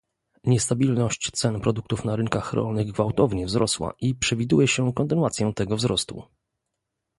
Niestabilność cen produktów na rynkach rolnych gwałtownie wzrosła i przewiduje się kontynuację tego wzrostu